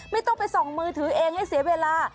ไม่ต้องไปส่องมือถือเองให้เสียเวลา